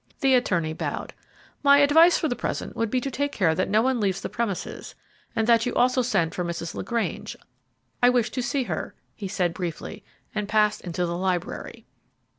The attorney bowed. "My advice for the present would be to take care that no one leaves the premises, and that you also send for Mrs. LaGrange; I wish to see her," he said briefly, and passed into the library.